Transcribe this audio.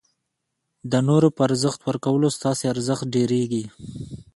د نورو په ارزښت ورکولو ستاسي ارزښت ډېرېږي.